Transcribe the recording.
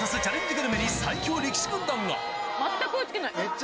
グルメに最強力士軍団が全く落ちてない。